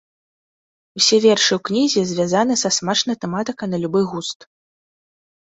Усе вершы ў кнізе звязаны са смачнай тэматыкай на любы густ.